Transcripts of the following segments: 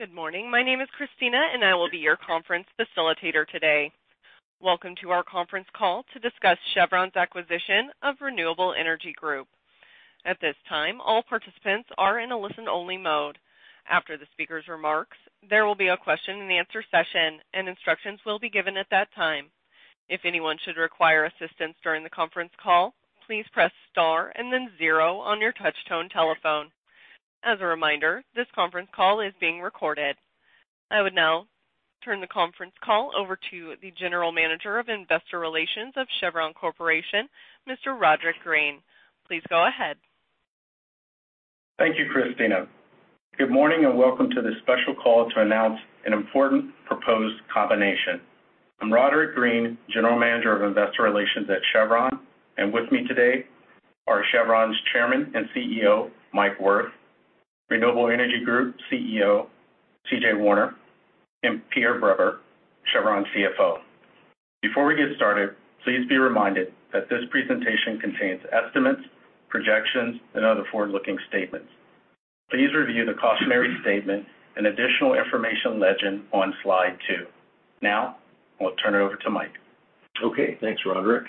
Good morning. My name is Christina, and I will be your conference facilitator today. Welcome to our conference call to discuss Chevron's acquisition of Renewable Energy Group. At this time, all participants are in a listen-only mode. After the speaker's remarks, there will be a question-and-answer session, and instructions will be given at that time. If anyone should require assistance during the conference call, please press star and then zero on your touch-tone telephone. As a reminder, this conference call is being recorded. I would now turn the conference call over to the General Manager of Investor Relations of Chevron Corporation, Mr. Roderick Green. Please go ahead. Thank you, Christina. Good morning, and welcome to this special call to announce an important proposed combination. I'm Roderick Green, General Manager of Investor Relations at Chevron, and with me today are Chevron's Chairman and CEO, Mike Wirth, Renewable Energy Group CEO, CJ Warner, and Pierre Breber, Chevron CFO. Before we get started, please be reminded that this presentation contains estimates, projections, and other forward-looking statements. Please review the cautionary statement and additional information legend on slide two. Now I'll turn it over to Mike. Okay. Thanks, Roderick.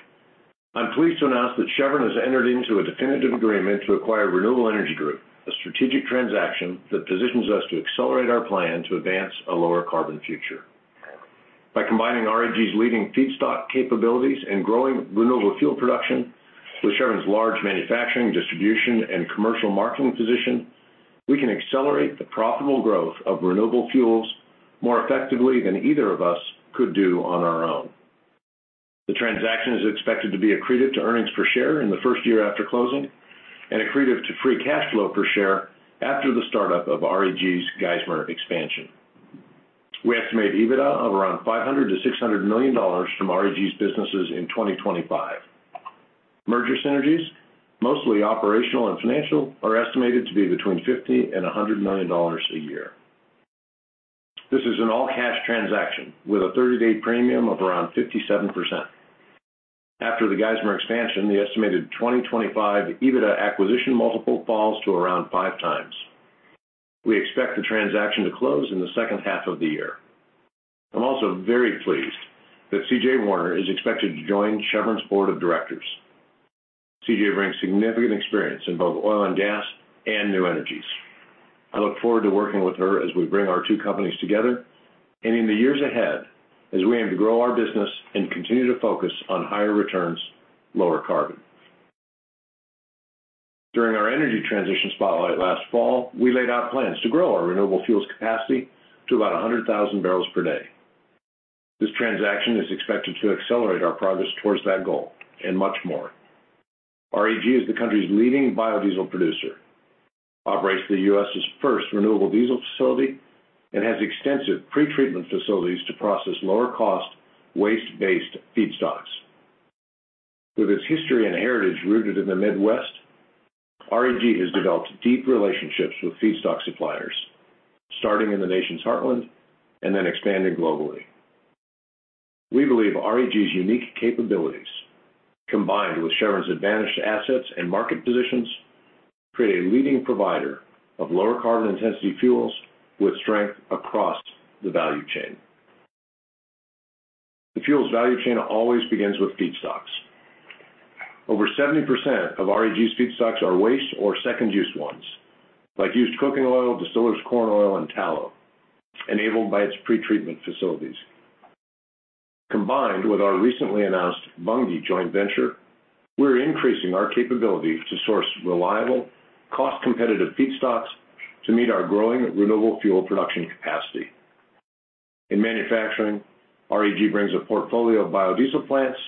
I'm pleased to announce that Chevron has entered into a definitive agreement to acquire Renewable Energy Group, a strategic transaction that positions us to accelerate our plan to advance a lower carbon future. By combining REG's leading feedstock capabilities and growing renewable fuel production with Chevron's large manufacturing, distribution, and commercial marketing position, we can accelerate the profitable growth of renewable fuels more effectively than either of us could do on our own. The transaction is expected to be accretive to earnings per share in the first year after closing and accretive to free cash flow per share after the startup of REG's Geismar expansion. We estimate EBITDA of around $500 million-$600 million from REG's businesses in 2025. Merger synergies, mostly operational and financial, are estimated to be between $50 million and $100 million a year. This is an all-cash transaction with a 30-day premium of around 57%. After the Geismar expansion, the estimated 2025 EBITDA acquisition multiple falls to around 5x. We expect the transaction to close in the second half of the year. I'm also very pleased that CJ Warner is expected to join Chevron's board of directors. CJ brings significant experience in both oil and gas and new energies. I look forward to working with her as we bring our two companies together, and in the years ahead as we aim to grow our business and continue to focus on higher returns, lower carbon. During our energy transition spotlight last fall, we laid out plans to grow our renewable fuels capacity to about 100,000 barrels per day. This transaction is expected to accelerate our progress towards that goal and much more. REG is the country's leading biodiesel producer, operates the U.S.'s first renewable diesel facility, and has extensive pretreatment facilities to process lower cost waste-based feedstocks. With its history and heritage rooted in the Midwest, REG has developed deep relationships with feedstock suppliers, starting in the nation's heartland and then expanding globally. We believe REG's unique capabilities, combined with Chevron's advantaged assets and market positions, create a leading provider of lower carbon intensity fuels with strength across the value chain. The fuel's value chain always begins with feedstocks. Over 70% of REG's feedstocks are waste or second-used ones, like used cooking oil, distillers' corn oil, and tallow, enabled by its pretreatment facilities. Combined with our recently announced Bunge joint venture, we're increasing our capability to source reliable, cost-competitive feedstocks to meet our growing renewable fuel production capacity. In manufacturing, REG brings a portfolio of biodiesel plants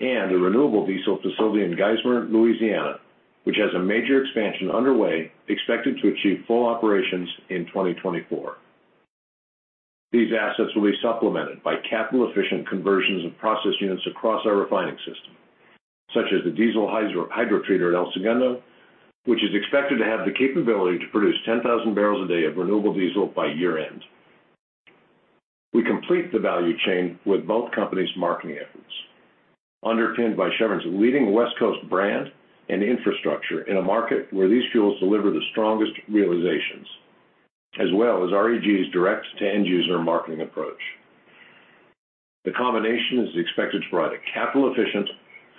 and a renewable diesel facility in Geismar, Louisiana, which has a major expansion underway expected to achieve full operations in 2024. These assets will be supplemented by capital-efficient conversions of process units across our refining system, such as the diesel hydrotreater in El Segundo, which is expected to have the capability to produce 10,000 barrels a day of renewable diesel by year-end. We complete the value chain with both companies' marketing efforts, underpinned by Chevron's leading West Coast brand and infrastructure in a market where these fuels deliver the strongest realizations, as well as REG's direct-to-end user marketing approach. The combination is expected to provide a capital-efficient,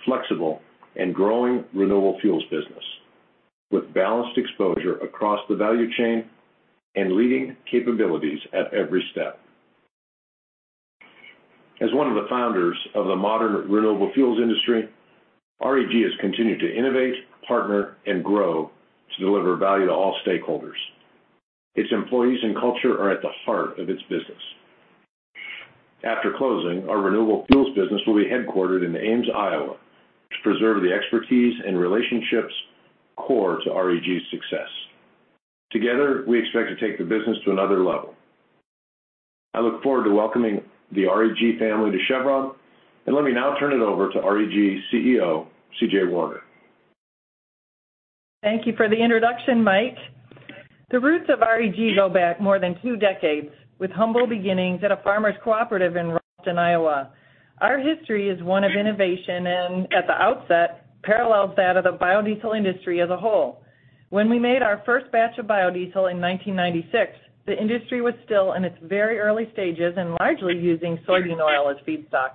flexible, and growing renewable fuels business with balanced exposure across the value chain and leading capabilities at every step. As one of the founders of the modern renewable fuels industry, REG has continued to innovate, partner, and grow to deliver value to all stakeholders. Its employees and culture are at the heart of its business. After closing, our renewable fuels business will be headquartered in Ames, Iowa, to preserve the expertise and relationships core to REG's success. Together, we expect to take the business to another level. I look forward to welcoming the REG family to Chevron, and let me now turn it over to REG CEO, CJ Warner. Thank you for the introduction, Mike. The roots of REG go back more than two decades, with humble beginnings at a farmer's cooperative in Ralston, Iowa. Our history is one of innovation and at the outset parallels that of the biodiesel industry as a whole. When we made our first batch of biodiesel in 1996, the industry was still in its very early stages and largely using soybean oil as feedstock.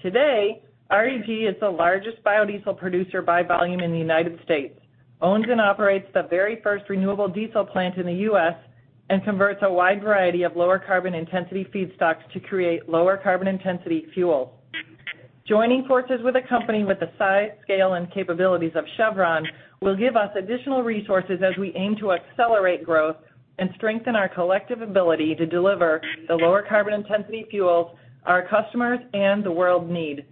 Today, REG is the largest biodiesel producer by volume in the United States, owns and operates the very first renewable diesel plant in the U.S., and converts a wide variety of lower carbon intensity feedstocks to create lower carbon intensity fuel. Joining forces with a company with the size, scale and capabilities of Chevron will give us additional resources as we aim to accelerate growth and strengthen our collective ability to deliver the lower carbon intensity fuels our customers and the world need.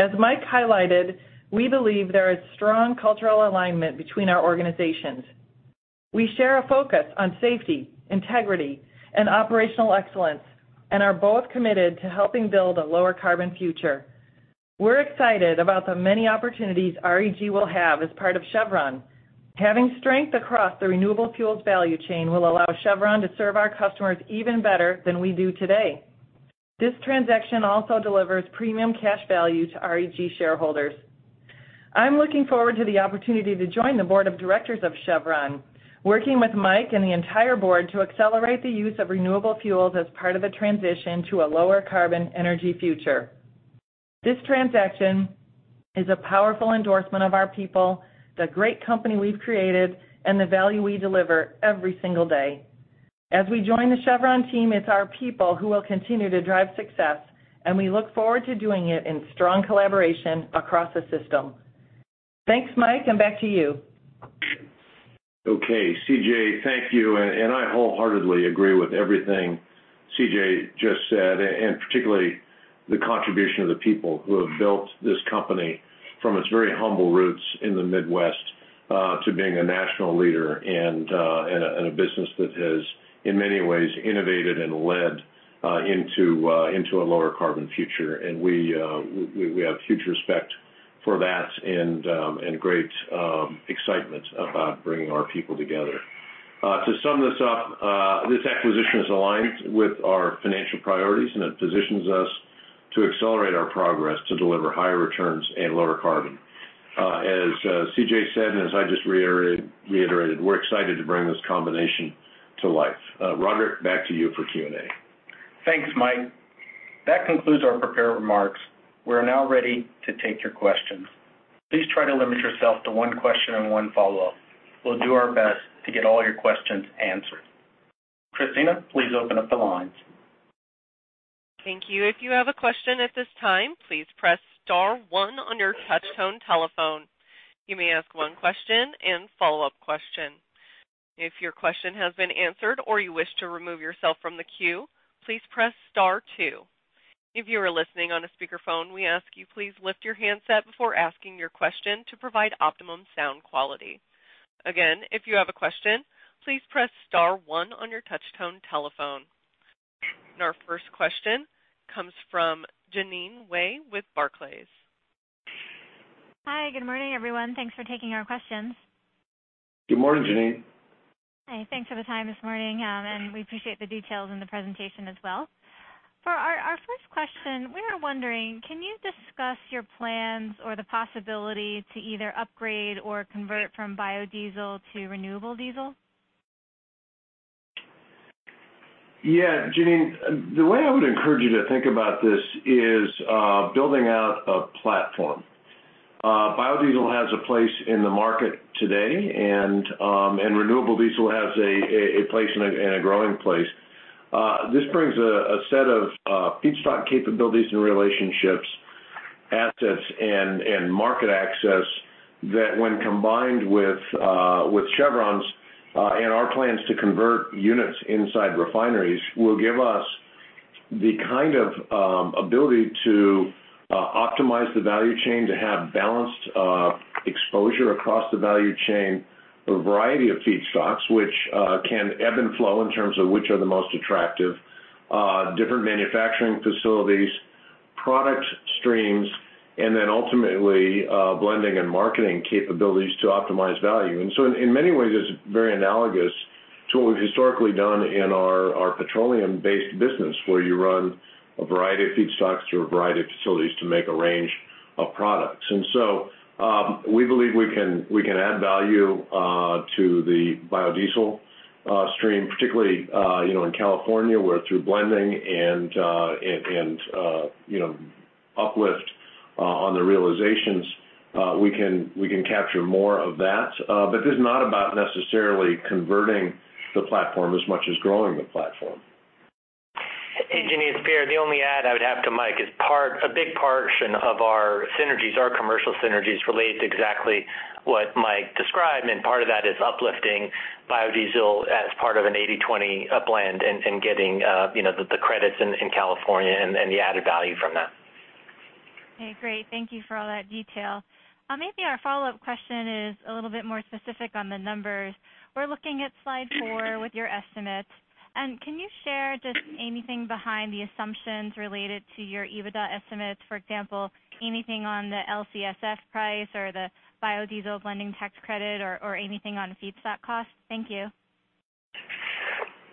As Mike highlighted, we believe there is strong cultural alignment between our organizations. We share a focus on safety, integrity and operational excellence, and are both committed to helping build a lower carbon future. We're excited about the many opportunities REG will have as part of Chevron. Having strength across the renewable fuels value chain will allow Chevron to serve our customers even better than we do today. This transaction also delivers premium cash value to REG shareholders. I'm looking forward to the opportunity to join the board of directors of Chevron, working with Mike and the entire board to accelerate the use of renewable fuels as part of a transition to a lower carbon energy future. This transaction is a powerful endorsement of our people, the great company we've created, and the value we deliver every single day. As we join the Chevron team, it's our people who will continue to drive success, and we look forward to doing it in strong collaboration across the system. Thanks, Mike, and back to you. Okay, CJ, thank you. I wholeheartedly agree with everything CJ just said, and particularly the contribution of the people who have built this company from its very humble roots in the Midwest to being a national leader and a business that has in many ways innovated and led into a lower carbon future. We have huge respect for that and great excitement about bringing our people together. To sum this up, this acquisition is aligned with our financial priorities, and it positions us to accelerate our progress to deliver higher returns and lower carbon. As CJ said, and as I just reiterated, we're excited to bring this combination to life. Roderick, back to you for Q&A. Thanks, Mike. That concludes our prepared remarks. We're now ready to take your questions. Please try to limit yourself to one question and one follow-up. We'll do our best to get all your questions answered. Christina, please open up the lines. Thank you. If you have a question at this time, please press star one on your touch-tone telephone. You may ask one question and follow-up question. If your question have been answered or you wish to remove yourself from the queue, please press star two. If you're listening on a speaker phone, we ask you, please lift your headset before asking your question to provide optimum sound quality. Again, if you have a question, please press star one on your touchtone telephone. Our first question comes from Jeanine Wai with Barclays. Hi. Good morning, everyone. Thanks for taking our questions. Good morning, Jeanine. Hi. Thanks for the time this morning. We appreciate the details in the presentation as well. For our first question, we are wondering, can you discuss your plans or the possibility to either upgrade or convert from biodiesel to renewable diesel? Yeah, Jeanine. The way I would encourage you to think about this is building out a platform. Biodiesel has a place in the market today, and renewable diesel has a place and a growing place. This brings a set of feedstock capabilities and relationships, assets and market access that when combined with Chevron's and our plans to convert units inside refineries will give us the kind of ability to optimize the value chain to have balanced exposure across the value chain of a variety of feedstocks, which can ebb and flow in terms of which are the most attractive different manufacturing facilities, product streams, and then ultimately blending and marketing capabilities to optimize value. In many ways it's very analogous to what we've historically done in our petroleum-based business, where you run a variety of feedstocks through a variety of facilities to make a range of products. We believe we can add value to the biodiesel stream, particularly, you know, in California, where through blending and uplift on the realizations we can capture more of that. This is not about necessarily converting the platform as much as growing the platform. Hey, Jeanine, it's Pierre. The only add I would have to Mike is a big portion of our synergies, our commercial synergies relate to exactly what Mike described, and part of that is uplifting biodiesel as part of an 80/20 blend and getting you know the credits in California and the added value from that. Okay, great. Thank you for all that detail. Maybe our follow-up question is a little bit more specific on the numbers. We're looking at slide four with your estimates. Can you share just anything behind the assumptions related to your EBITDA estimates, for example, anything on the LCFS price or the Biodiesel Blenders Tax Credit or anything on feedstock costs? Thank you.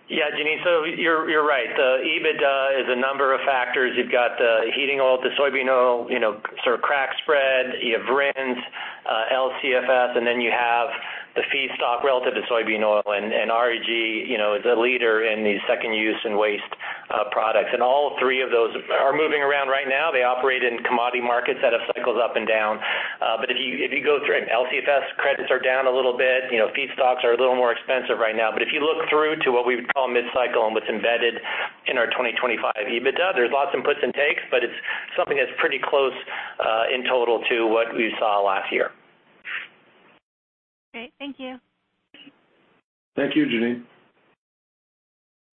Yeah, Jeanine, you're right. The EBITDA is a number of factors. You've got the heating oil, the soybean oil, you know, sort of crack spread. You have RINs, LCFS, and then you have the feedstock relative to soybean oil. REG is a leader in the second use and waste products. All three of those are moving around right now. They operate in commodity markets that have cycles up and down. If you go through, LCFS credits are down a little bit. You know, feedstocks are a little more expensive right now. If you look through to what we would call mid-cycle and what's embedded in our 2025 EBITDA, there's lots of puts and takes, but it's something that's pretty close in total to what we saw last year. Great. Thank you. Thank you, Jeanine.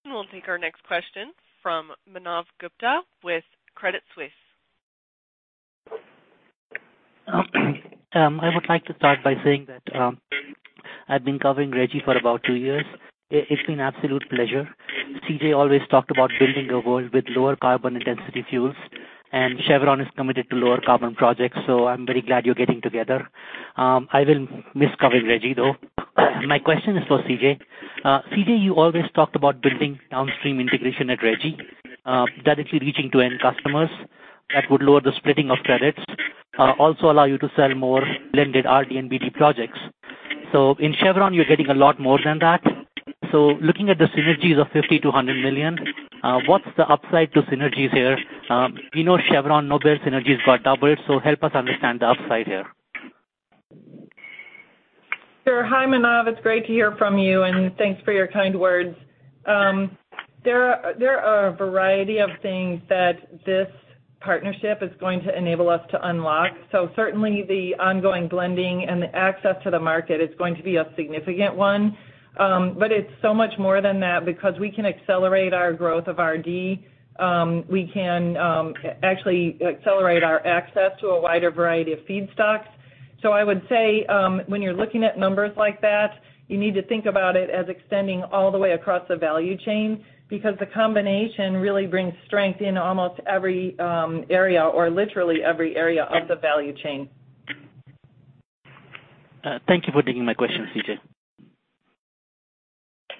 We'll take our next question from Manav Gupta with Credit Suisse. I would like to start by saying that, I've been covering REG for about two years. It's been an absolute pleasure. CJ always talked about building a world with lower carbon intensity fuels, and Chevron is committed to lower carbon projects, so I'm very glad you're getting together. I will miss covering REG, though. My question is for CJ. CJ, you always talked about building downstream integration at REG, directly reaching to end customers that would lower the splitting of credits, also allow you to sell more blended RD & BD projects. In Chevron, you're getting a lot more than that. Looking at the synergies of $50 million-$100 million, what's the upside to synergies here? We know Chevron, Noble synergies got doubled, so help us understand the upside here. Sure. Hi, Manav. It's great to hear from you, and thanks for your kind words. There are a variety of things that this partnership is going to enable us to unlock. Certainly, the ongoing blending and the access to the market is going to be a significant one. It's so much more than that because we can accelerate our growth of RD. We can actually accelerate our access to a wider variety of feedstocks. I would say, when you're looking at numbers like that, you need to think about it as extending all the way across the value chain because the combination really brings strength in almost every area or literally every area of the value chain. Thank you for taking my question, CJ.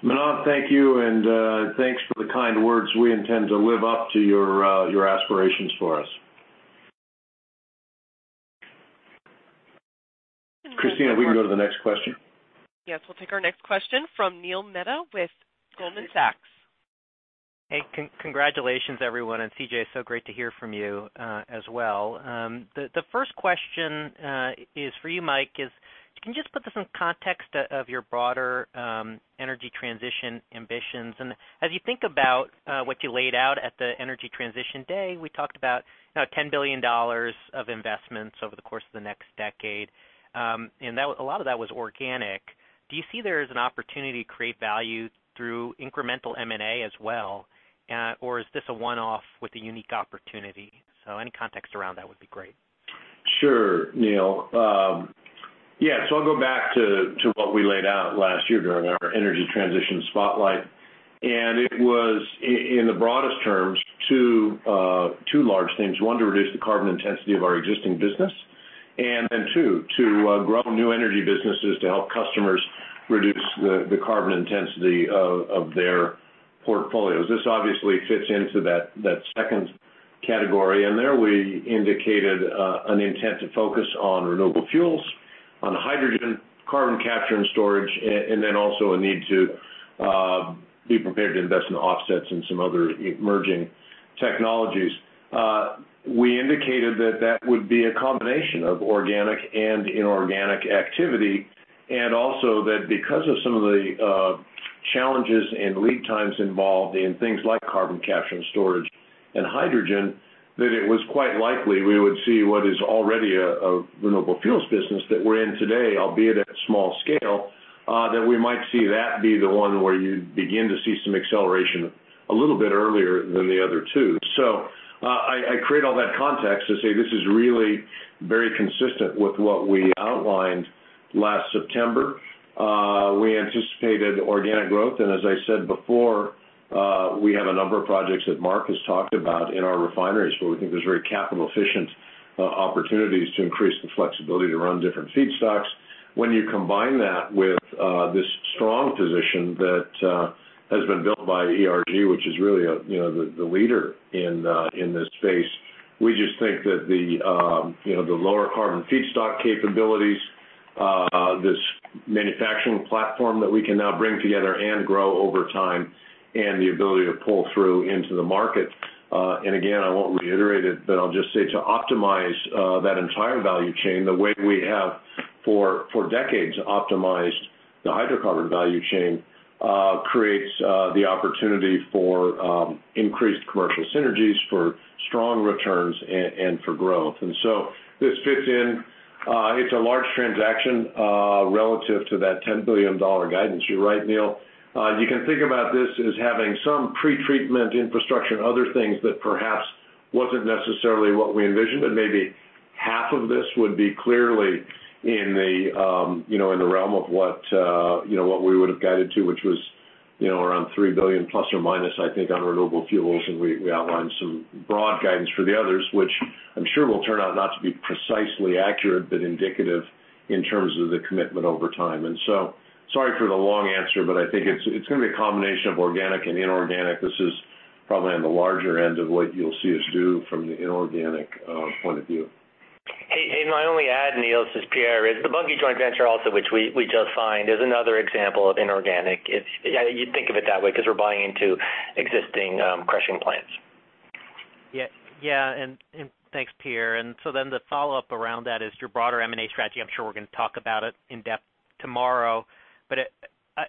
Manav, thank you, and thanks for the kind words. We intend to live up to your aspirations for us. Christina, we can go to the next question. Yes. We'll take our next question from Neil Mehta with Goldman Sachs. Hey, congratulations, everyone. CJ, so great to hear from you, as well. The first question is for you, Mike, can you just put this in context of your broader energy transition ambitions? As you think about what you laid out at the energy transition day, we talked about, you know, $10 billion of investments over the course of the next decade. A lot of that was organic. Do you see there as an opportunity to create value through incremental M&A as well? Or is this a one-off with a unique opportunity? Any context around that would be great. Sure, Neil. Yeah. I'll go back to what we laid out last year during our Energy Transition Spotlight. It was in the broadest terms, two large things. One, to reduce the carbon intensity of our existing business. Two, to grow new energy businesses to help customers reduce the carbon intensity of their portfolios. This obviously fits into that second category. There we indicated an intent to focus on renewable fuels, on hydrogen, carbon capture and storage, and then also a need to be prepared to invest in offsets and some other emerging technologies. We indicated that would be a combination of organic and inorganic activity, and also that because of some of the challenges and lead times involved in things like carbon capture and storage and hydrogen, that it was quite likely we would see what is already a renewable fuels business that we're in today, albeit at small scale, that we might see that be the one where you begin to see some acceleration a little bit earlier than the other two. I create all that context to say this is really very consistent with what we outlined last September. We anticipated organic growth. As I said before, we have a number of projects that Mark has talked about in our refineries where we think there's very capital efficient opportunities to increase the flexibility to run different feedstocks. When you combine that with this strong position that has been built by REG, which is really you know the leader in this space, we just think that the you know the lower carbon feedstock capabilities this manufacturing platform that we can now bring together and grow over time and the ability to pull through into the market. Again, I won't reiterate it, but I'll just say to optimize that entire value chain the way we have for decades optimized the hydrocarbon value chain creates the opportunity for increased commercial synergies, for strong returns, and for growth. This fits in, it's a large transaction relative to that $10 billion guidance. You're right, Neil. You can think about this as having some pretreatment infrastructure and other things that perhaps wasn't necessarily what we envisioned, but maybe half of this would be clearly in the, you know, in the realm of what, you know, what we would have guided to, which was, you know, around $3 billion plus or minus, I think, on renewable fuels. We outlined some broad guidance for the others, which I'm sure will turn out not to be precisely accurate, but indicative in terms of the commitment over time. Sorry for the long answer, but I think it's gonna be a combination of organic and inorganic. This is probably on the larger end of what you'll see us do from the inorganic point of view. Hey, my only add, Neil. This is Pierre. The Bunge joint venture also, which we just signed, is another example of inorganic. Yeah, you'd think of it that way because we're buying into existing crushing plants. Yeah, and thanks, Pierre. The follow-up around that is your broader M&A strategy. I'm sure we're gonna talk about it in depth tomorrow, but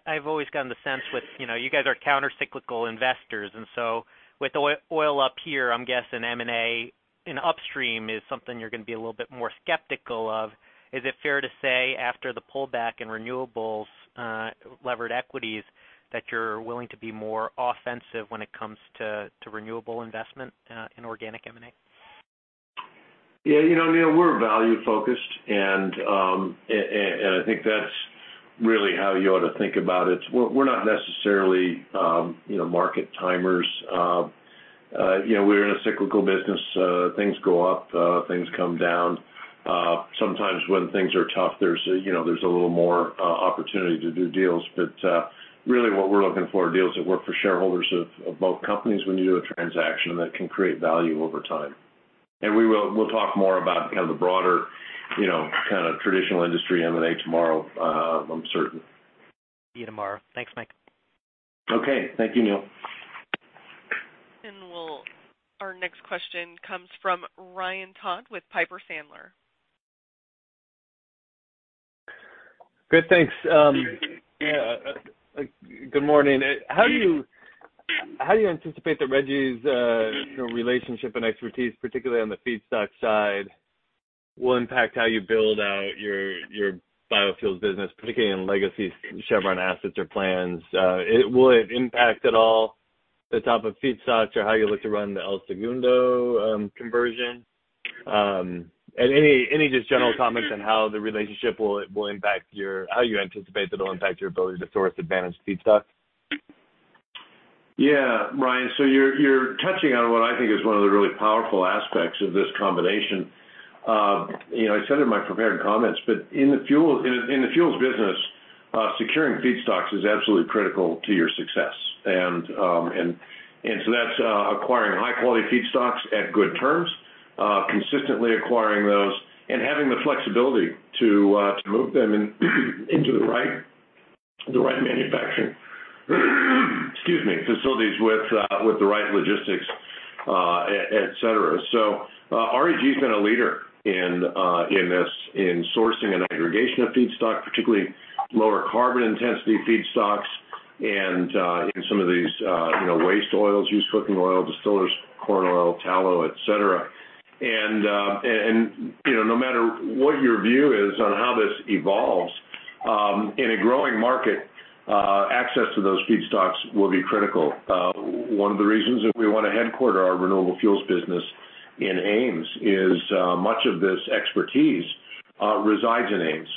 I've always gotten the sense with, you know, you guys are countercyclical investors, and so with oil up here, I'm guessing M&A in upstream is something you're gonna be a little bit more skeptical of. Is it fair to say after the pullback in renewables, levered equities, that you're willing to be more offensive when it comes to renewable investment in organic M&A? Yeah. You know, Neil, we're value-focused, and I think that's really how you ought to think about it. We're not necessarily, you know, market timers. You know, we're in a cyclical business, things go up, things come down. Sometimes when things are tough, you know, there's a little more opportunity to do deals. But really what we're looking for are deals that work for shareholders of both companies when you do a transaction that can create value over time. We'll talk more about kind of the broader, you know, kind of traditional industry M&A tomorrow, I'm certain. See you tomorrow. Thanks, Mike. Okay. Thank you, Neil. Our next question comes from Ryan Todd with Piper Sandler. Good. Thanks. Yeah, good morning. How do you anticipate that REG's, you know, relationship and expertise, particularly on the feedstock side, will impact how you build out your biofuels business, particularly in legacy Chevron assets or plans? Will it impact at all the type of feedstocks or how you look to run the El Segundo conversion? And any just general comments on how you anticipate that it'll impact your ability to source advantaged feedstock? Yeah. Ryan, so you're touching on what I think is one of the really powerful aspects of this combination. You know, I said in my prepared comments, but in the fuels business, securing feedstocks is absolutely critical to your success. That's acquiring high-quality feedstocks at good terms, consistently acquiring those and having the flexibility to move them into the right manufacturing, excuse me, facilities with the right logistics, et cetera. REG's been a leader in sourcing and aggregation of feedstock, particularly lower carbon intensity feedstocks and in some of these, you know, waste oils, used cooking oil, distillers corn oil, tallow, et cetera. You know, no matter what your view is on how this evolves, in a growing market, access to those feedstocks will be critical. One of the reasons that we wanna headquarter our renewable fuels business in Ames is, much of this expertise resides in Ames.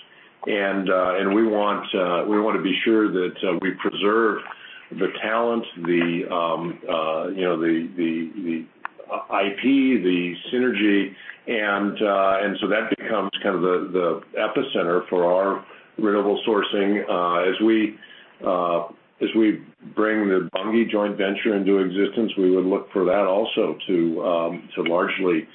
We want to be sure that we preserve the talent, you know, the IP, the synergy. That becomes kind of the epicenter for our renewable sourcing. As we bring the Bunge joint venture into existence, we would look for that also to largely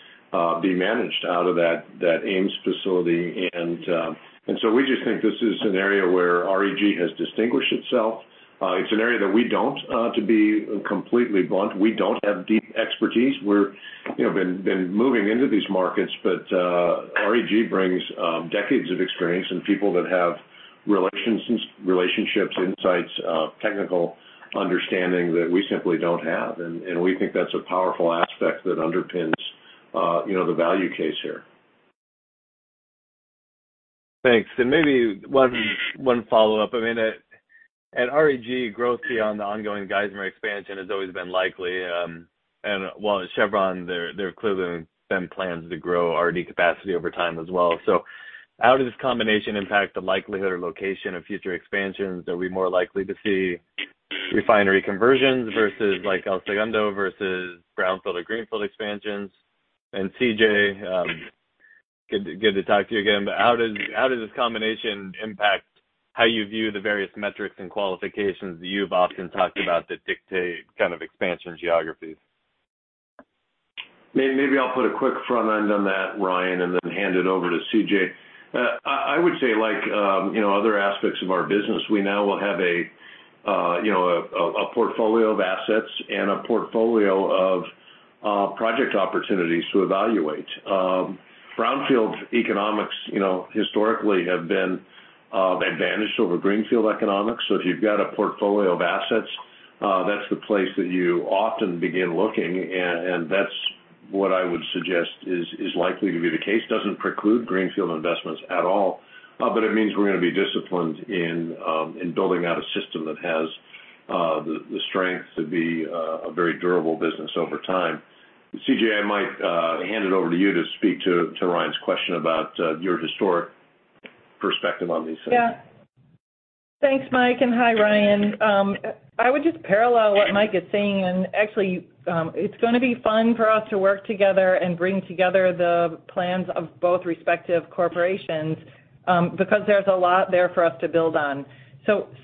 be managed out of that Ames facility. We just think this is an area where REG has distinguished itself. It's an area that we don't, to be completely blunt, we don't have deep expertise. We're, you know, been moving into these markets, but REG brings decades of experience and people that have relationships, insights, technical understanding that we simply don't have. We think that's a powerful aspect that underpins, you know, the value case here. Thanks. Maybe one follow-up. I mean, at REG, growth beyond the ongoing Geismar expansion has always been likely. While at Chevron, there have clearly been plans to grow RD capacity over time as well. How does this combination impact the likelihood or location of future expansions? Are we more likely to see refinery conversions versus like El Segundo versus brownfield or greenfield expansions? CJ, good to talk to you again, but how does this combination impact how you view the various metrics and qualifications that you've often talked about that dictate kind of expansion geographies? Maybe I'll put a quick front end on that, Ryan, and then hand it over to CJ I would say like other aspects of our business, we now will have a portfolio of assets and a portfolio of project opportunities to evaluate. Brownfield economics historically have been advantaged over greenfield economics. So if you've got a portfolio of assets, that's the place that you often begin looking, and that's what I would suggest is likely to be the case. Doesn't preclude greenfield investments at all, but it means we're gonna be disciplined in building out a system that has the strength to be a very durable business over time. CJ, I might hand it over to you to speak to Ryan's question about your historic perspective on these things. Thanks, Mike, and hi, Ryan. I would just parallel what Mike is saying. Actually, it's gonna be fun for us to work together and bring together the plans of both respective corporations, because there's a lot there for us to build on.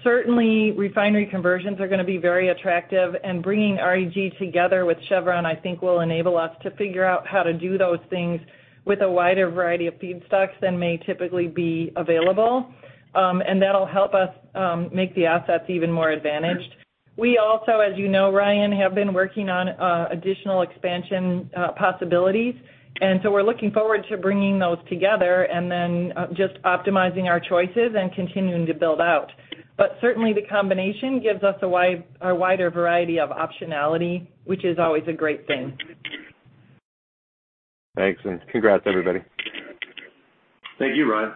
Certainly refinery conversions are gonna be very attractive, and bringing REG together with Chevron, I think will enable us to figure out how to do those things with a wider variety of feedstocks than may typically be available. That'll help us make the assets even more advantaged. We also, as you know, Ryan, have been working on additional expansion possibilities, and so we're looking forward to bringing those together and then just optimizing our choices and continuing to build out but certainly the combination gives us a wider variety of optionality, which is always a great thing. Thanks, and congrats everybody. Thank you, Ryan.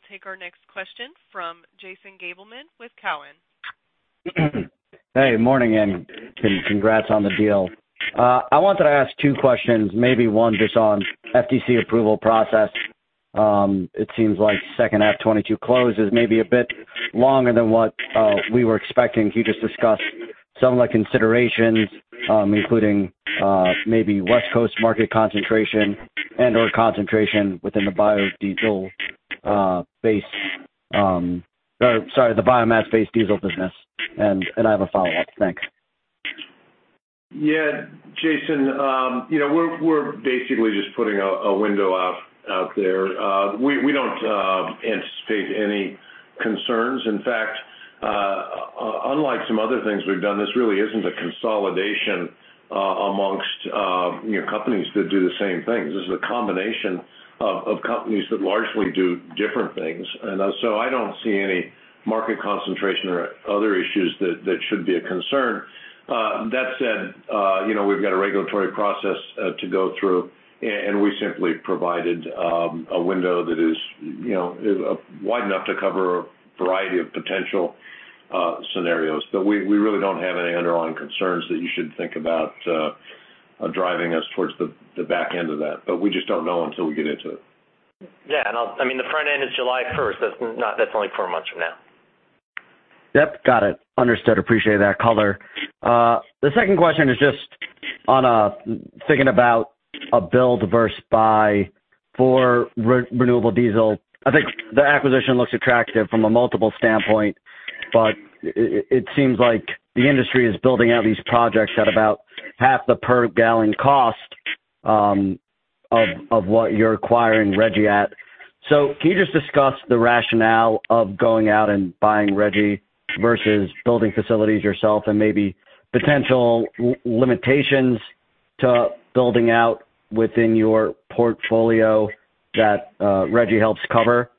We'll take our next question from Jason Gabelman with Cowen. Hey, morning, and congrats on the deal. I wanted to ask two questions, maybe one just on FTC approval process. It seems like second half 2022 close is maybe a bit longer than what we were expecting. Can you just discuss some of the considerations, including maybe West Coast market concentration and/or concentration within the biodiesel base or the biomass-based diesel business. I have a follow-up. Thanks. Yeah. Jason, you know, we're basically just putting a window out there. We don't anticipate any concerns. In fact, unlike some other things we've done, this really isn't a consolidation among, you know, companies that do the same things. This is a combination of companies that largely do different things. I don't see any market concentration or other issues that should be a concern. That said, you know, we've got a regulatory process to go through and we simply provided a window that is, you know, wide enough to cover a variety of potential scenarios. We really don't have any underlying concerns that you should think about driving us towards the back end of that. We just don't know until we get into it. I mean, the front end is July first. That's only four months from now. Yep. Got it. Understood. Appreciate that color. The second question is just on thinking about a build versus buy for renewable diesel. I think the acquisition looks attractive from a multiple standpoint, but it seems like the industry is building out these projects at about half the per gallon cost of what you're acquiring REG at. Can you just discuss the rationale of going out and buying REG versus building facilities yourself and maybe potential limitations to building out within your portfolio that REG helps cover?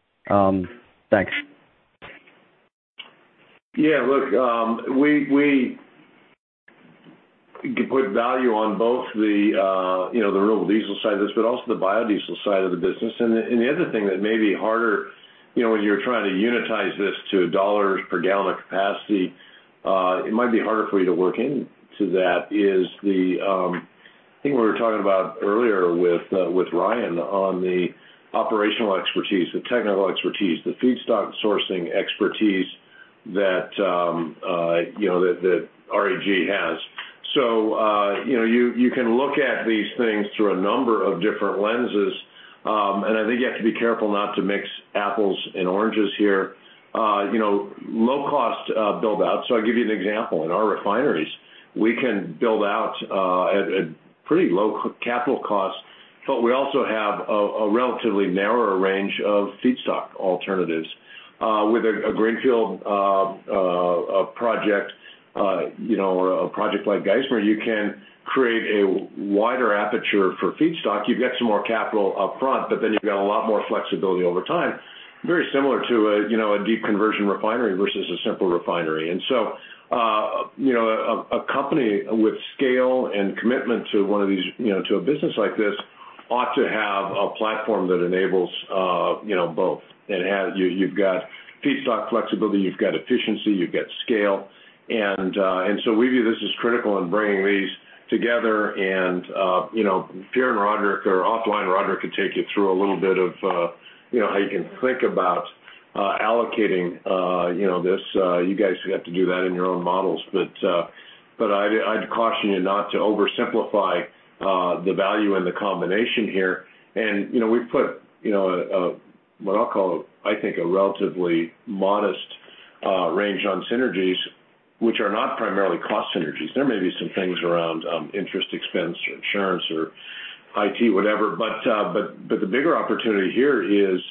Thanks. Yeah. Look, we put value on both you know the renewable diesel side of this, but also the biodiesel side of the business. The other thing that may be harder you know when you're trying to unitize this to dollars per gallon of capacity it might be harder for you to work into that is I think what we were talking about earlier with Ryan on the operational expertise, the technical expertise, the feedstock sourcing expertise that you know that REG has. You can look at these things through a number of different lenses. I think you have to be careful not to mix apples and oranges here. You know low cost build out. I'll give you an example. In our refineries, we can build out at a pretty low capital cost, but we also have a relatively narrower range of feedstock alternatives. With a greenfield project, you know, or a project like Geismar, you can create a wider aperture for feedstock. You've got some more capital up front, but then you've got a lot more flexibility over time, very similar to a you know, a deep conversion refinery versus a simple refinery. You know, a company with scale and commitment to one of these, you know, to a business like this ought to have a platform that enables you know, both. You've got feedstock flexibility, you've got efficiency, you've got scale. We view this as critical in bringing these together. You know, if you and Roderick are offline, Roderick could take you through a little bit of, you know, how you can think about allocating, you know, this. You guys have to do that in your own models. I'd caution you not to oversimplify the value and the combination here. You know, we've put, you know, a what I'll call, I think a relatively modest range on synergies, which are not primarily cost synergies. There may be some things around interest expense or insurance or IT, whatever. The bigger opportunity here is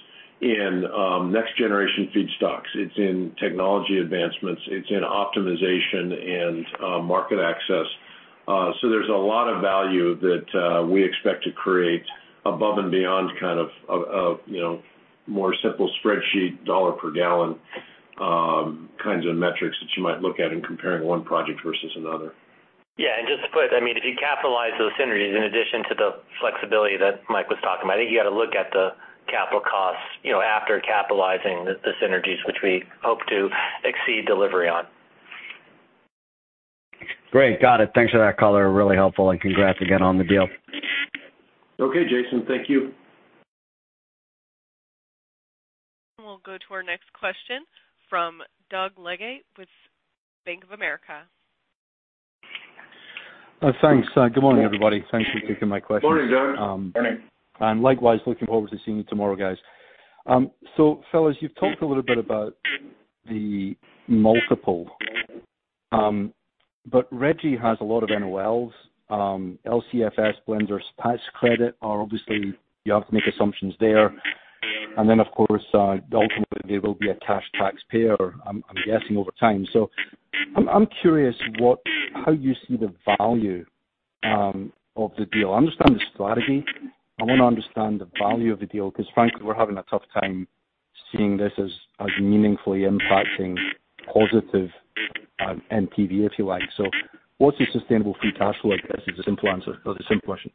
in next generation feedstocks. It's in technology advancements, it's in optimization and market access. There's a lot of value that we expect to create above and beyond kind of you know more simple spreadsheet dollar per gallon kinds of metrics that you might look at in comparing one project versus another. Yeah. Just to put, I mean, if you capitalize those synergies in addition to the flexibility that Mike was talking about, I think you got to look at the capital costs, you know, after capitalizing the synergies which we hope to exceed delivery on. Great. Got it. Thanks for that color. Really helpful, and congrats again on the deal. Okay, Jason. Thank you. We'll go to our next question from Doug Leggate with Bank of America. Thanks. Good morning, everybody. Thanks for taking my questions. Morning, Doug. Morning. Likewise, looking forward to seeing you tomorrow, guys. Fellas, you've talked a little bit about the multiple, but REG has a lot of NOLs, LCFS blender's tax credit are obviously you have to make assumptions there. Of course, ultimately there will be a cash taxpayer, I'm guessing over time. I'm curious what, how you see the value of the deal. I understand the strategy. I wanna understand the value of the deal 'cause frankly, we're having a tough time seeing this as meaningfully impacting positive NPV, if you like. What's your sustainable free cash flow? I guess is a simple answer or the simple question.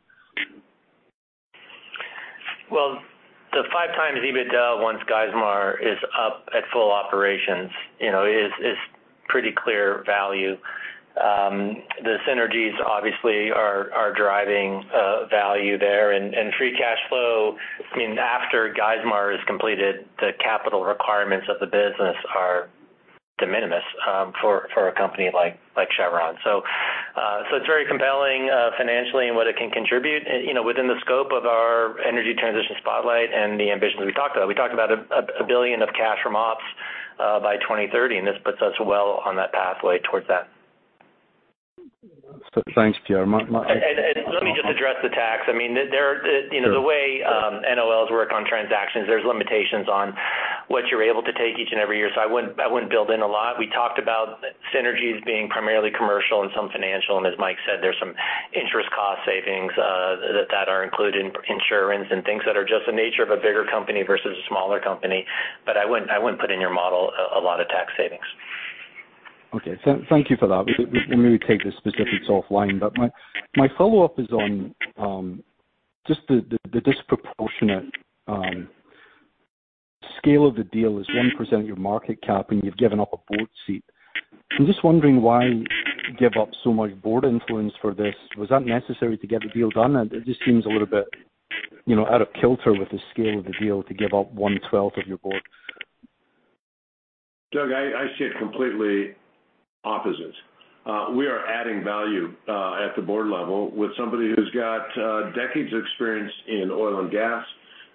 Well, 5x EBITDA once Geismar is up at full operations, you know, is pretty clear value. The synergies obviously are driving value there. Free cash flow, I mean, after Geismar is completed, the capital requirements of the business are de minimis for a company like Chevron. It's very compelling financially in what it can contribute. You know, within the scope of our energy transition spotlight and the ambitions we talked about. We talked about $1 billion of cash from ops by 2030, and this puts us well on that pathway towards that. Thanks, Pierre. Mike. Let me just address the tax. I mean, you know, the way NOLs work on transactions, there's limitations on what you're able to take each and every year. I wouldn't build in a lot. We talked about synergies being primarily commercial and some financial, and as Mike said, there's some interest cost savings that are included in insurance and things that are just the nature of a bigger company versus a smaller company. I wouldn't put in your model a lot of tax savings. Okay. Thank you for that. We maybe take the specifics offline. My follow-up is on just the disproportionate scale of the deal is 1% of your market cap, and you've given up a board seat. I'm just wondering why give up so much board influence for this. Was that necessary to get the deal done? It just seems a little bit, you know, out of kilter with the scale of the deal to give up one-twelfth of your board. Doug, I see it completely opposite. We are adding value at the board level with somebody who's got decades of experience in oil and gas,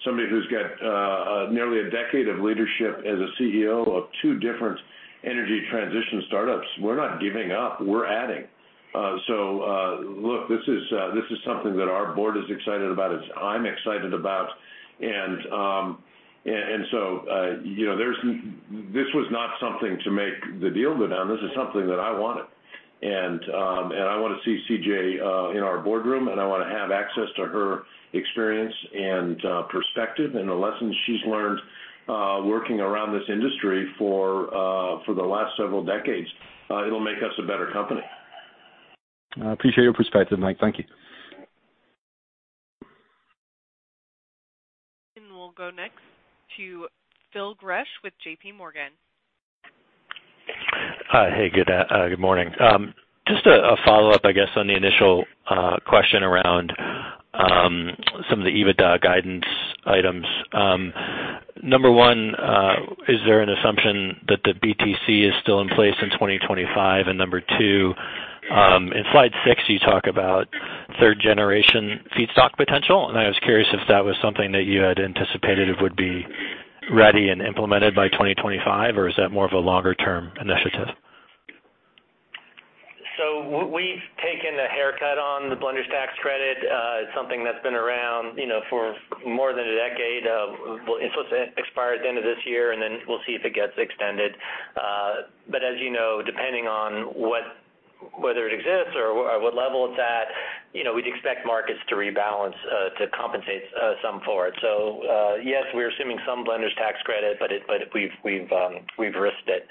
somebody who's got nearly a decade of leadership as a CEO of two different energy transition startups. We're not giving up, we're adding. Look, this is something that our board is excited about, it's. I'm excited about. You know, this was not something to make the deal go down. This is something that I wanted. I wanna see CJ in our boardroom, and I wanna have access to her experience and perspective and the lessons she's learned working around this industry for the last several decades. It'll make us a better company. I appreciate your perspective, Mike. Thank you. We'll go next to Phil Gresh with JPMorgan. Hey, good morning. Just a follow-up, I guess, on the initial question around some of the EBITDA guidance items. Number one, is there an assumption that the BTC is still in place in 2025? And number two, in slide six, you talk about third-generation feedstock potential, and I was curious if that was something that you had anticipated it would be ready and implemented by 2025, or is that more of a longer-term initiative? We've taken a haircut on the Blenders Tax Credit. It's something that's been around, you know, for more than a decade. It's supposed to expire at the end of this year, and then we'll see if it gets extended. As you know, depending on whether it exists or what level it's at, you know, we'd expect markets to rebalance to compensate some for it. Yes, we're assuming some Blenders Tax Credit, but we've risked it.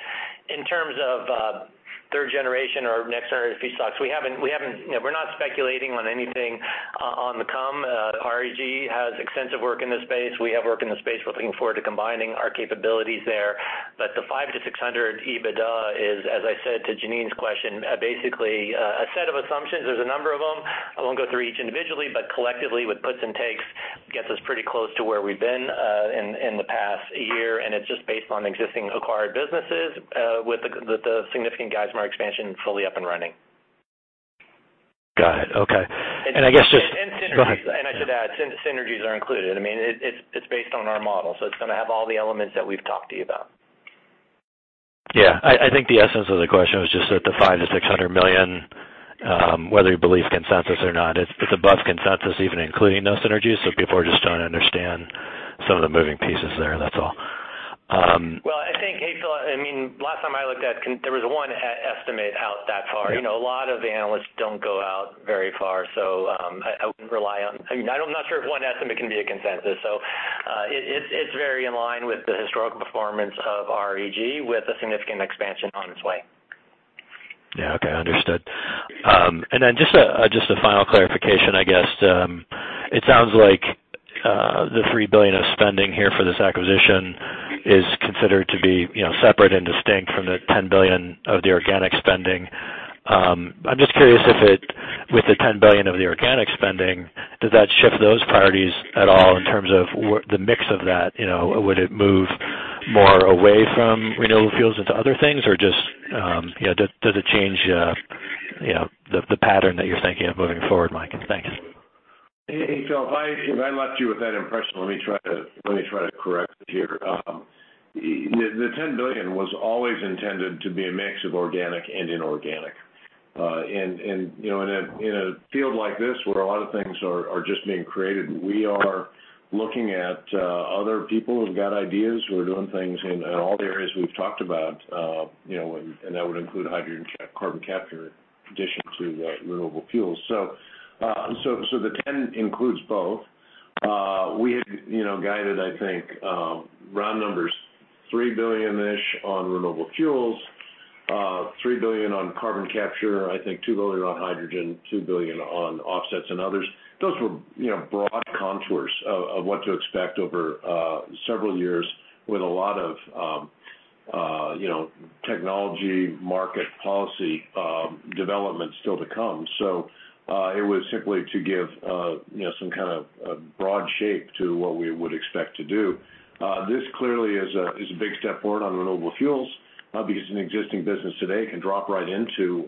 In terms of third generation or next generation feedstocks, we haven't, you know, we're not speculating on anything on the come. REG has extensive work in this space. We have work in this space. We're looking forward to combining our capabilities there. The 500-600 EBITDA is, as I said to Janine's question, basically a set of assumptions. There's a number of them. I won't go through each individually, but collectively with puts and takes, gets us pretty close to where we've been, in the past year, and it's just based on existing acquired businesses, with the significant Geismar expansion fully up and running. Got it. Okay. Synergies. Go ahead. I should add, synergies are included. I mean, it's based on our model, so it's gonna have all the elements that we've talked to you about. Yeah. I think the essence of the question was just that the $500 million-$600 million, whether you believe consensus or not, it's above consensus, even including those synergies. People are just trying to understand some of the moving pieces there. That's all. Well, hey, Phil. I mean, last time I looked, there was one estimate out that far. You know, a lot of analysts don't go out very far, so I wouldn't rely on. I'm not sure if one estimate can be a consensus. It's very in line with the historical performance of REG with a significant expansion on its way. Yeah. Okay. Understood. Then just a final clarification, I guess. It sounds like the $3 billion of spending here for this acquisition is considered to be, you know, separate and distinct from the $10 billion of the organic spending. I'm just curious if with the $10 billion of the organic spending, does that shift those priorities at all in terms of the mix of that, you know? Would it move more away from renewable fuels into other things? Or just, you know, does it change, you know, the pattern that you're thinking of moving forward, Mike? And thanks. Hey, Phil, if I left you with that impression, let me try to correct it here. The $10 billion was always intended to be a mix of organic and inorganic. You know, in a field like this where a lot of things are just being created, we are looking at other people who've got ideas, who are doing things in all the areas we've talked about, you know, and that would include hydrogen carbon capture in addition to renewable fuels. So, the $10 billion includes both. We had you know guided I think round numbers, $3 billion-ish on renewable fuels, $3 billion on carbon capture, I think $2 billion on hydrogen, $2 billion on offsets and others. Those were, you know, broad contours of what to expect over several years with a lot of, you know, technology, market policy, development still to come. It was simply to give, you know, some kind of a broad shape to what we would expect to do. This clearly is a big step forward on renewable fuels, because an existing business today can drop right into,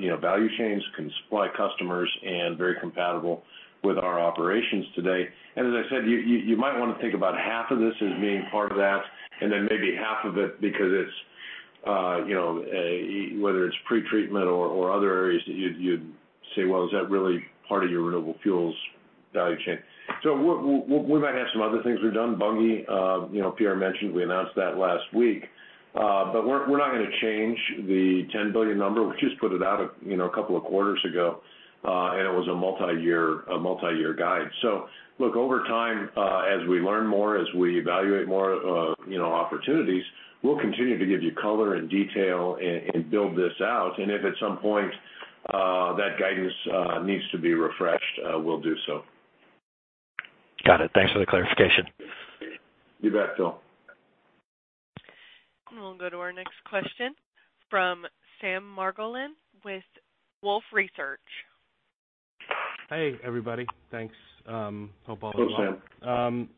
you know, value chains, can supply customers, and very compatible with our operations today. As I said, you might wanna think about half of this as being part of that, and then maybe half of it because it's, you know, whether it's pretreatment or other areas that you'd say, "Well, is that really part of your renewable fuels value chain?" We might have some other things we've done. Bunge, you know, Pierre mentioned we announced that last week. But we're not gonna change the $10 billion number. We just put it out, you know, a couple of quarters ago, and it was a multi-year guide. Look, over time, as we learn more, as we evaluate more, you know, opportunities, we'll continue to give you color and detail and build this out and if at some point that guidance needs to be refreshed, we'll do so. Got it. Thanks for the clarification. You bet, Phil. We'll go to our next question from Sam Margolin with Wolfe Research. Hey, everybody. Thanks. Hope all is well.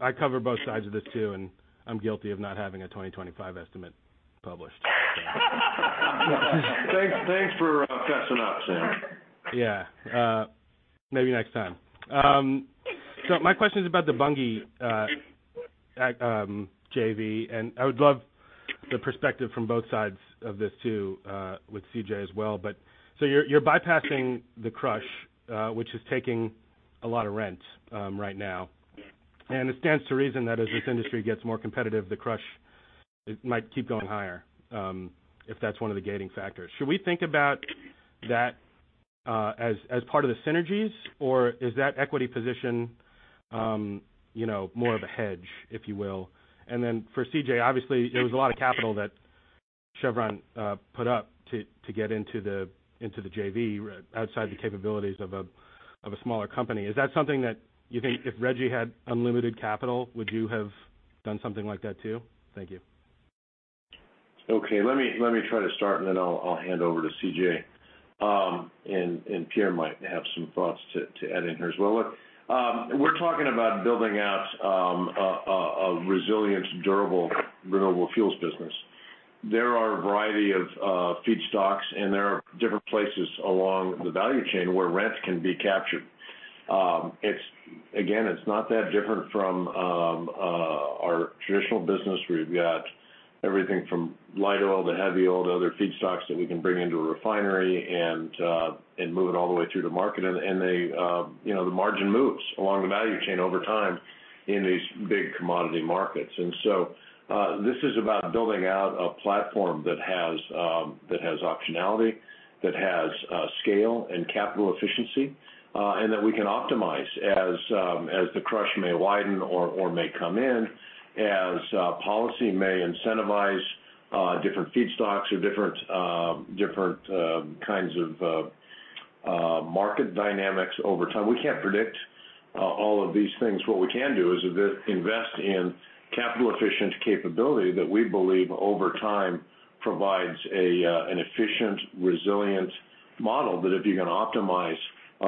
I cover both sides of this too, and I'm guilty of not having a 2025 estimate published. Thanks. Thanks for confessing up, Sam. Yeah. Maybe next time. My question is about the Bunge JV, and I would love the perspective from both sides of this too, with CJ as well. You're bypassing the crush, which is taking a lot of rent right now. It stands to reason that as this industry gets more competitive, the crush might keep going higher, if that's one of the gating factors. Should we think about that as part of the synergies, or is that equity position you know, more of a hedge, if you will? Then for CJ, obviously, there was a lot of capital that Chevron put up to get into the JV outside the capabilities of a smaller company. Is that something that you think if REG had unlimited capital, would you have done something like that too? Thank you. Okay. Let me try to start and then I'll hand over to CJ. Pierre might have some thoughts to add in here as well. Look, we're talking about building out a resilient, durable renewable fuels business. There are a variety of feedstocks, and there are different places along the value chain where rent can be captured. It's, again, not that different from our traditional business. We've got everything from light oil to heavy oil to other feedstocks that we can bring into a refinery and move it all the way through to market. They, you know, the margin moves along the value chain over time in these big commodity markets. This is about building out a platform that has optionality, that has scale and capital efficiency, and that we can optimize as the crush may widen or may come in, as policy may incentivize different feedstocks or different kinds of market dynamics over time. We can't predict all of these things. What we can do is invest in capital-efficient capability that we believe over time provides an efficient, resilient model that if you can optimize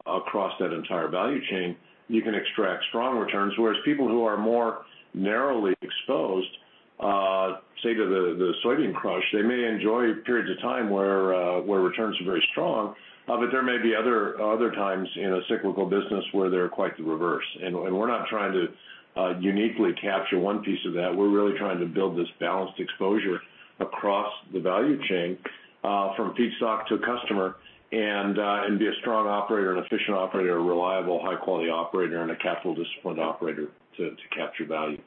across that entire value chain, you can extract strong returns. Whereas people who are more narrowly exposed, say to the soybean crush, they may enjoy periods of time where returns are very strong, but there may be other times in a cyclical business where they're quite the reverse. We're not trying to uniquely capture one piece of that. We're really trying to build this balanced exposure across the value chain from feedstock to customer and be a strong operator, an efficient operator, a reliable high-quality operator, and a capital disciplined operator to capture value.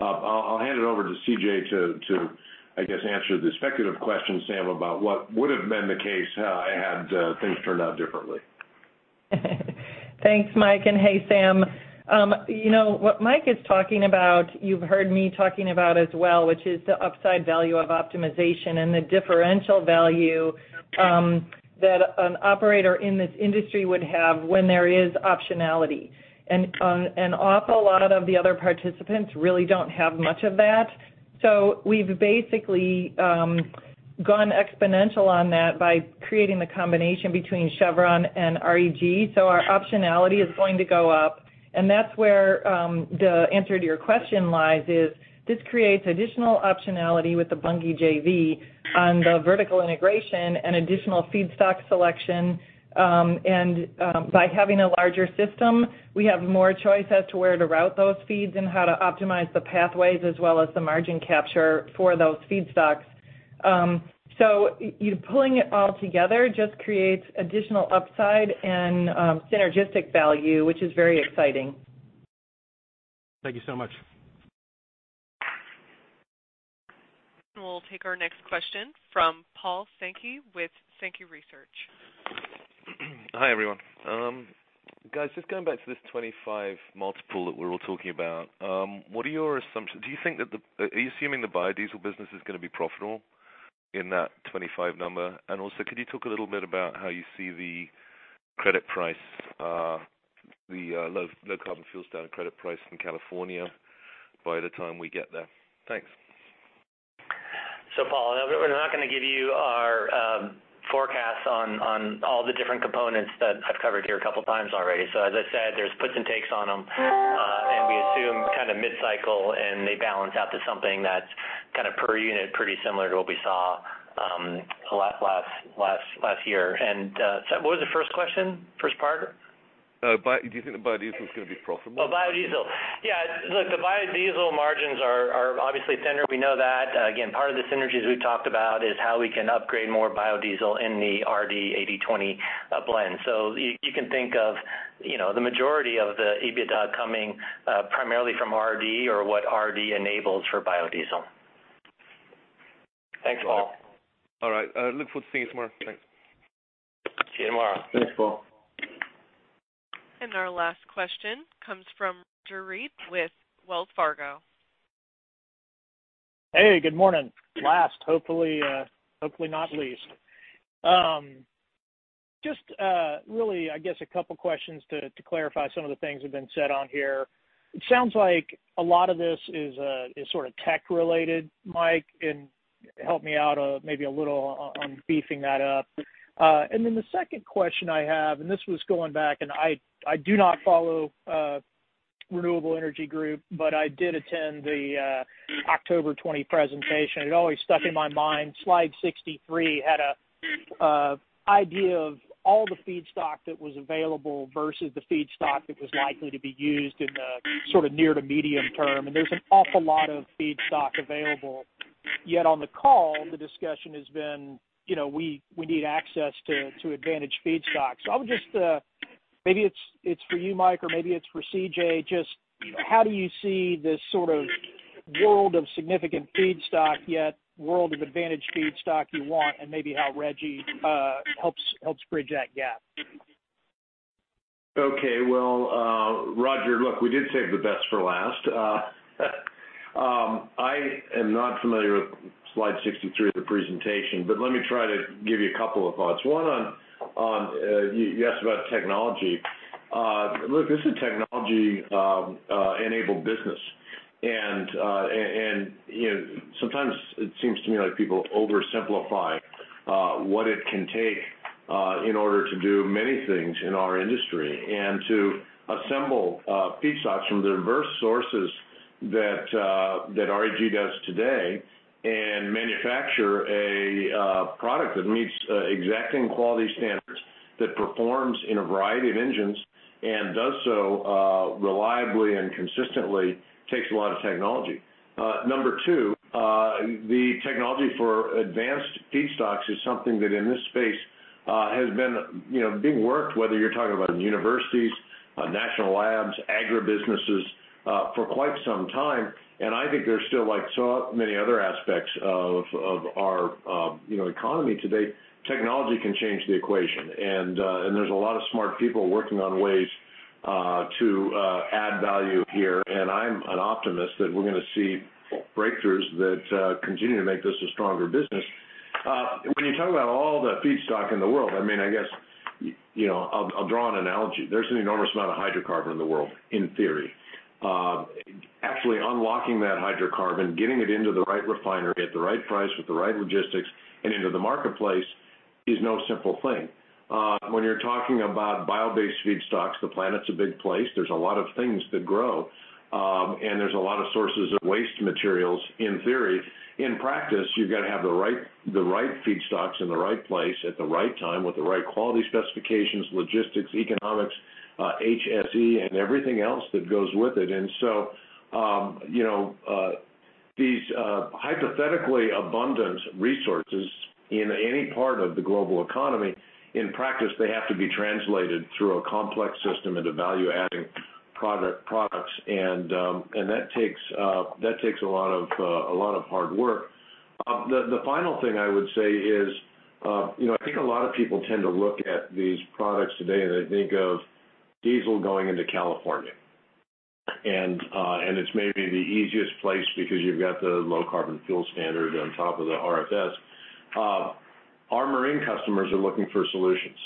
I'll hand it over to CJ to, I guess, answer the speculative question, Sam, about what would have been the case had things turned out differently. Thanks, Mike and hey, Sam. You know, what Mike is talking about, you've heard me talking about as well, which is the upside value of optimization and the differential value that an operator in this industry would have when there is optionality. An awful lot of the other participants really don't have much of that. We've basically gone exponential on that by creating the combination between Chevron and REG. Our optionality is going to go up. That's where the answer to your question lies, is this creates additional optionality with the Bunge JV on the vertical integration and additional feedstock selection. By having a larger system, we have more choice as to where to route those feeds and how to optimize the pathways as well as the margin capture for those feedstocks. So you pulling it all together just creates additional upside and synergistic value, which is very exciting. Thank you so much. We'll take our next question from Paul Sankey with Sankey Research. Hi, everyone. Guys, just going back to this 25 multiple that we're all talking about, what are your assumptions? Are you assuming the biodiesel business is gonna be profitable in that 25 number? And also, could you talk a little bit about how you see the credit price, the Low Carbon Fuel Standard credit price in California by the time we get there? Thanks. Paul, we're not gonna give you our forecasts on all the different components that I've covered here a couple times already. As I said, there's puts and takes on them, and we assume kind of mid-cycle, and they balance out to something that's kind of per unit, pretty similar to what we saw last year. What was the first question? First part? Do you think the biodiesel is gonna be profitable? Oh, biodiesel. Yeah. Look, the biodiesel margins are obviously thinner. We know that. Again, part of the synergies we've talked about is how we can upgrade more biodiesel in the RD 80/20 blend. You can think of, you know, the majority of the EBITDA coming primarily from RD or what RD enables for biodiesel. Thanks, Paul. All right. I look forward to seeing you tomorrow. Thanks. See you tomorrow. Thanks, Paul. Our last question comes from Roger Read with Wells Fargo. Hey, good morning. Last, hopefully not least. Just really, I guess a couple questions to clarify some of the things that have been said on here. It sounds like a lot of this is sort of tech related, Mike, and help me out, maybe a little on beefing that up. And then the second question I have, and this was going back, and I do not follow Renewable Energy Group, but I did attend the October 20 presentation. It always stuck in my mind. Slide 63 had an idea of all the feedstock that was available versus the feedstock that was likely to be used in the sort of near to medium term. There's an awful lot of feedstock available. Yet on the call, the discussion has been, you know, we need access to advantaged feedstock. I would just maybe it's for you, Mike, or maybe it's for CJ, just how do you see this sort of world of significant feedstock, yet world of advantaged feedstock you want, and maybe how REG helps bridge that gap? Okay. Well, Roger, look, we did save the best for last. I am not familiar with slide 63 of the presentation, but let me try to give you a couple of thoughts. One on you asked about technology. Look, this is technology enabled business. You know, sometimes it seems to me like people oversimplify what it can take in order to do many things in our industry. To assemble feedstocks from the diverse sources that REG does today and manufacture a product that meets exacting quality standards, that performs in a variety of engines and does so reliably and consistently takes a lot of technology. Number two, the technology for advanced feedstocks is something that in this space has been, you know, being worked, whether you're talking about in universities, national labs, agribusinesses, for quite some time. I think there's still, like so many other aspects of our, you know, economy today, technology can change the equation. There's a lot of smart people working on ways to add value here, and I'm an optimist that we're gonna see breakthroughs that continue to make this a stronger business. When you talk about all the feedstock in the world, I mean, I guess, you know, I'll draw an analogy. There's an enormous amount of hydrocarbon in the world, in theory. Actually unlocking that hydrocarbon, getting it into the right refinery at the right price with the right logistics and into the marketplace is no simple thing. When you're talking about bio-based feedstocks, the planet's a big place. There's a lot of things that grow. There's a lot of sources of waste materials in theory. In practice, you've got to have the right feedstocks in the right place at the right time with the right quality specifications, logistics, economics, HSE, and everything else that goes with it. You know, these hypothetically abundant resources in any part of the global economy, in practice, they have to be translated through a complex system into value-adding product. That takes a lot of hard work. The final thing I would say is, you know, I think a lot of people tend to look at these products today, and they think of diesel going into California. It's maybe the easiest place because you've got the Low Carbon Fuel Standard on top of the RFS. Our marine customers are looking for solutions.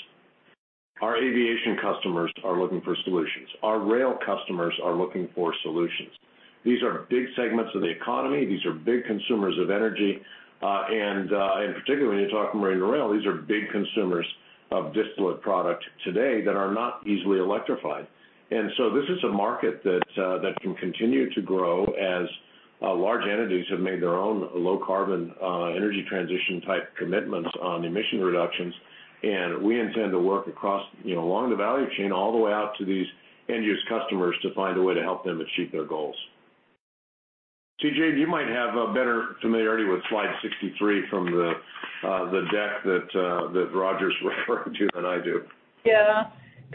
Our aviation customers are looking for solutions. Our rail customers are looking for solutions. These are big segments of the economy. These are big consumers of energy. Particularly when you're talking marine and rail, these are big consumers of distillate product today that are not easily electrified. This is a market that can continue to grow as large entities have made their own low carbon energy transition type commitments on emission reductions. We intend to work across, you know, along the value chain, all the way out to these end use customers to find a way to help them achieve their goals. CJ, you might have a better familiarity with slide 63 from the deck that Roger's referring to than I do. Yeah.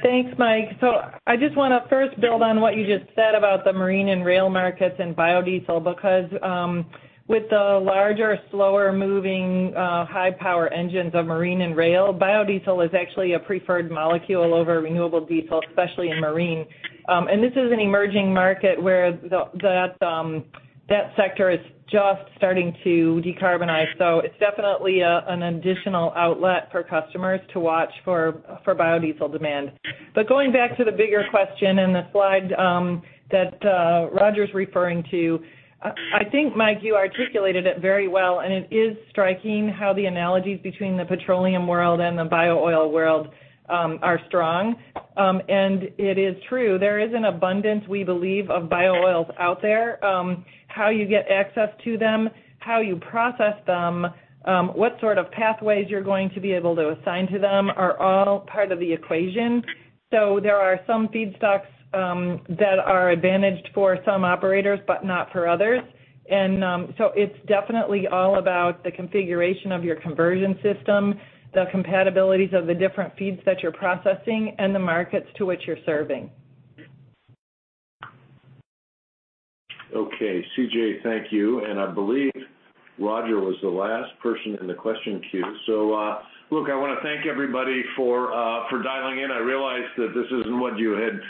Thanks, Mike. I just wanna first build on what you just said about the marine and rail markets and biodiesel because, with the larger, slower moving, high power engines of marine and rail, biodiesel is actually a preferred molecule over renewable diesel, especially in marine. This is an emerging market where that sector is just starting to decarbonize. It's definitely an additional outlet for customers to watch for biodiesel demand. Going back to the bigger question and the slide that Roger's referring to, I think, Mike, you articulated it very well, and it is striking how the analogies between the petroleum world and the bio oil world are strong. It is true, there is an abundance, we believe, of bio oils out there. How you get access to them, how you process them, what sort of pathways you're going to be able to assign to them are all part of the equation. So there are some feedstocks that are advantaged for some operators but not for others. It's definitely all about the configuration of your conversion system, the compatibilities of the different feeds that you're processing, and the markets to which you're serving. Okay. CJ, thank you. I believe Roger was the last person in the question queue. Look, I wanna thank everybody for dialing in. I realize that this isn't what you had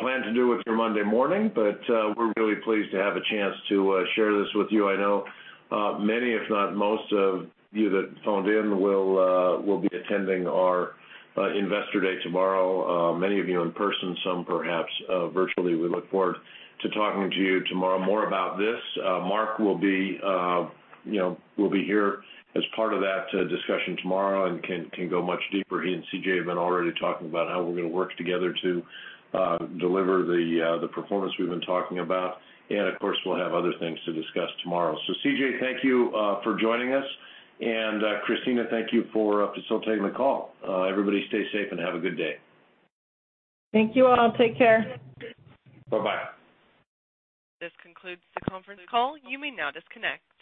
planned to do with your Monday morning, but we're really pleased to have a chance to share this with you. I know many, if not most of you that phoned in will be attending our Investor Day tomorrow, many of you in person, some perhaps virtually. We look forward to talking to you tomorrow more about this. Mark will be, you know, here as part of that discussion tomorrow and can go much deeper. He and CJ have been already talking about how we're gonna work together to deliver the performance we've been talking about. Of course, we'll have other things to discuss tomorrow. CJ, thank you for joining us. Christina, thank you for facilitating the call. Everybody, stay safe and have a good day. Thank you all. Take care. Bye-bye. This concludes the conference call. You may now disconnect.